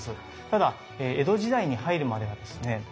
ただ江戸時代に入るまではですね